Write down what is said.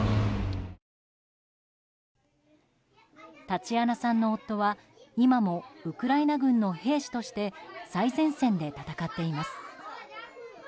タチアナさんの夫は今もウクライナ軍の兵士として最前線で戦っています。